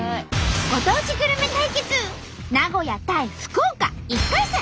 ご当地グルメ対決名古屋対福岡１回戦。